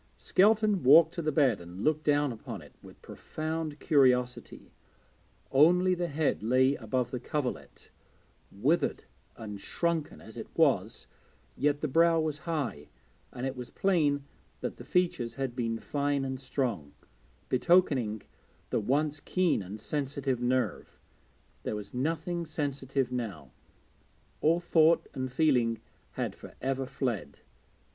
Skelton walked to the bed and looked down upon it with profound curiosity. Only the head lay above the coverlet; withered and shrunken it was, yet the brow was high, and it was plain that the features had been fine and strong, betokening the once keen and sensitive nerve there was nothing sensitive now; all thought and feeling had for ever fled.